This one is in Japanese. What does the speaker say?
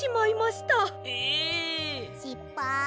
しっぱい。